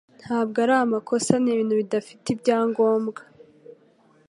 Ntabwo ari amakosa, ni ibintu bidafite ibyangombwa.